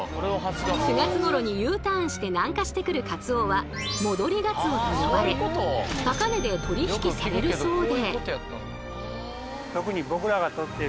９月頃にＵターンして南下してくるカツオは「戻りガツオ」と呼ばれ高値で取り引きされるそうで。